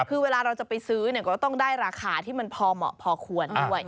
คือเวลาเราจะไปซื้อเนี่ยก็ต้องได้ราคาที่มันพอเหมาะพอควรด้วย